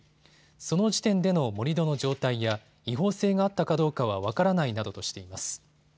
その時点での盛り土の状態や違法性があったかどうかは分からないなどとしています。